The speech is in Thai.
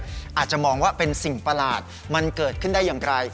อาจจะมองว่าเป็นสิ่งประหลาดมันเกิดขึ้นได้อย่างไร